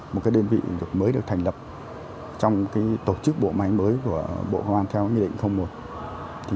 một đơn vị mới được thành lập trong tổ chức bộ máy mới của bộ công an theo nghị định một